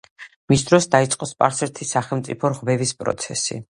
მის დროს დაიწყო სპარსეთის სახელმწიფოს რღვევის პროცესი.